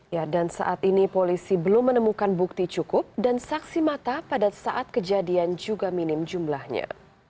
ya dan saat ini polisi belum menemukan bukti cukup dan saksi mata pada saat kejadian juga minim jumlahnya